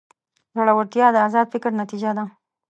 زړورتیا د ازاد فکر نتیجه ده.